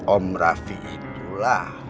om rafi itulah